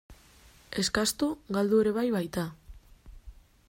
Eskastu galdu ere bai baita.